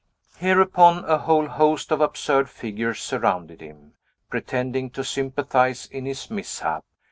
Hereupon, a whole host of absurd figures surrounded him, pretending to sympathize in his mishap.